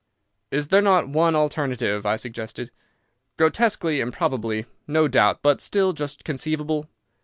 "Is there not one alternative," I suggested, "grotesquely improbable, no doubt, but still just conceivable?